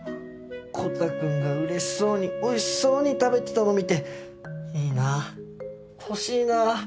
コタくんがうれしそうにおいしそうに食べてたの見ていいなぁ欲しいな。